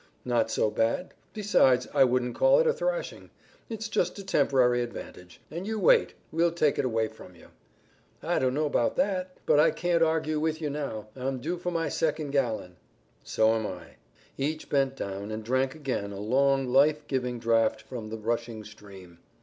"Not so bad. Besides I wouldn't call it a thrashing. It's just a temporary advantage. And you wait. We'll take it away from you." "I don't know about that, but I can't argue with you now. I'm due for my second gallon." "So am I." Each bent down and drank again a long, life giving draught from the rushing stream.